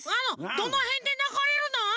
どのへんでながれるの？